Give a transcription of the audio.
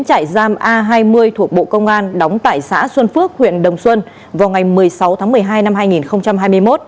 trại giam a hai mươi thuộc bộ công an đóng tại xã xuân phước huyện đồng xuân vào ngày một mươi sáu tháng một mươi hai năm hai nghìn hai mươi một